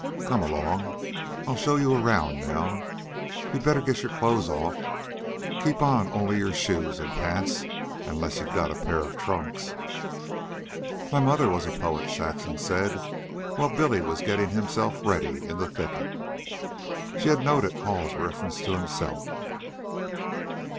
Come along. I'll show you around now. You'd better get your clothes off. Keep on only your shoes and pants, unless you've got a pair of trunks." "My mother was a poet," Saxon said, while Billy was getting himself ready in the thicket. She had noted Hall's reference to himself.